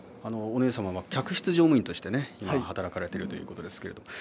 お姉様は客室乗務員として働かれているということです。